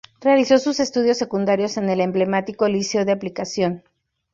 Realizó sus estudios secundarios en el emblemático Liceo de Aplicación.